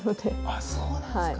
あそうなんですか。